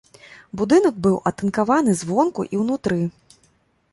Будынак быў атынкаваны звонку і ўнутры.